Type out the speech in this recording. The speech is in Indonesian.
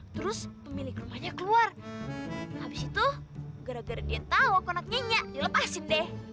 terus pemilik rumahnya keluar abis itu gara gara dia tau aku nak nyenyak dilepasin deh